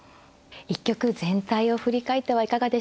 一局全体を振り返ってはいかがでしたでしょうか。